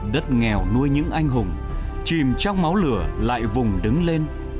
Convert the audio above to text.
đất nghèo nuôi những anh hùng chìm trong máu lửa lại vùng đứng lên